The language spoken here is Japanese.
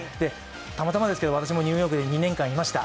たまたまですけど私もニューヨークに２年間いました。